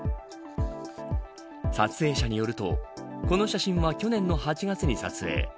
撮影者によるとこの写真は、去年の８月に撮影。